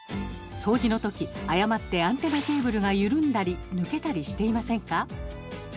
掃除のとき、誤ってアンテナケーブルが緩んだり抜けたりしていませんか？